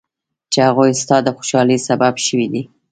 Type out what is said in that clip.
چې هغوی ستا د خوشحالۍ سبب شوي دي.